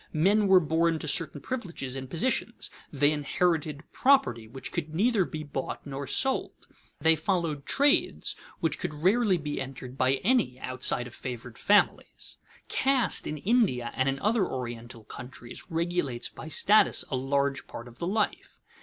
Men were born to certain privileges and positions; they inherited property which could neither be bought nor sold; they followed trades which could rarely be entered by any outside of favored families. Caste in India and in other Oriental countries regulates by status a large part of the life.